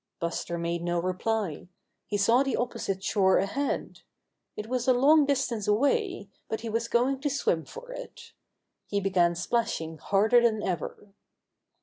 Buster made no reply. He saw the opposite shore ahead. It was a long distance away, but he was going to swim for it. He began splashing harder than ever.